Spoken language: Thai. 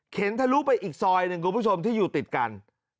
ทะลุไปอีกซอยหนึ่งคุณผู้ชมที่อยู่ติดกัน